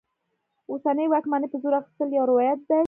اوسنۍ واکمنۍ په زور اخیستل یو روایت دی.